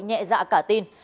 nhẹ dạ cả tin